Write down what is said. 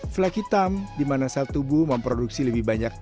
flag hitam di mana sel tubuh memproduksi lebih banyak